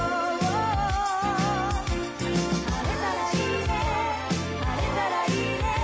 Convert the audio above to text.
「晴れたらいいね晴れたらいいね」